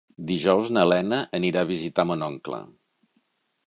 Dijous na Lena anirà a visitar mon oncle.